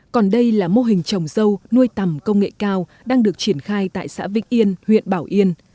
còn đây là mô hình trồng dâu nuôi tầm công nghệ cao đang được triển khai tại xã vĩnh yên huyện bảo yên